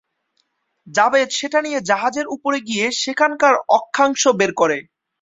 জাভেদ সেটা নিয়ে জাহাজের উপরে গিয়ে সেখানকার অক্ষাংশ বের করে।